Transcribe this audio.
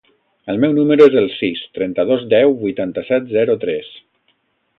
El meu número es el sis, trenta-dos, deu, vuitanta-set, zero, tres.